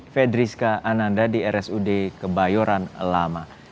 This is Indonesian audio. fedriska ananda di rsud kebayoran lama